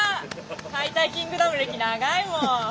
解体キングダム歴長いもん。